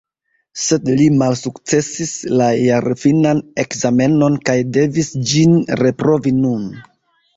Sed li malsukcesis la jarfinan ekzamenon kaj devis ĝin reprovi nun.